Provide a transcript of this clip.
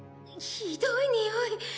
ひどいにおい！